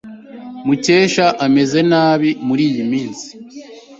Mukesha ameze nabi muriyi minsi.